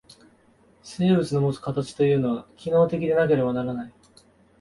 生物のもつ形というのは、機能的でなければならない。